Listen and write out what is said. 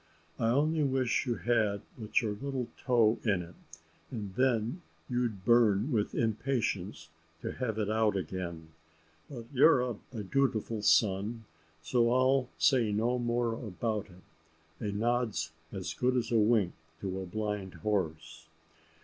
I only wish you had but your little toe in it, and then you'd burn with impatience to have it out again. But you're a dutiful son, so I'll say no more about it a nod's as good as a wink to a blind horse.